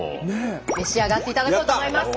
召し上がっていただこうと思います。